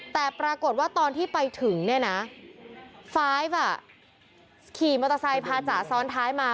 แต่ปรากฏว่าตอนที่ไปถึงเนี่ยนะไฟล์ฟขี่มอเตอร์ไซค์พาจ๋าซ้อนท้ายมา